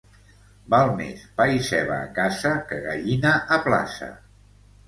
Val més pa i ceba a casa que gallina a plaça.